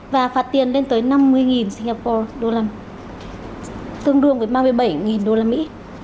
và phạt tiền lên tới năm mươi singapore đô la tương đương với ba mươi bảy đô la mỹ